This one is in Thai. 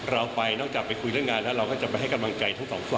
เราไปนอกจากไปคุยเรื่องงานแล้วเราก็จะไปให้กำลังใจทั้งสองฝ่าย